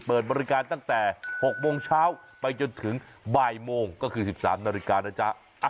เปิดบริการตั้งแต่๖โมงเช้าไปจนถึงบ่ายโมงก็คือ๑๓นาฬิกานะจ๊ะ